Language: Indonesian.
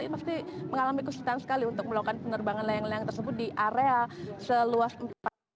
ini pasti mengalami kesulitan sekali untuk melakukan penerbangan layang layang tersebut di area seluas empat ratus hektare